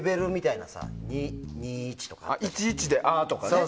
１１で、あとかね。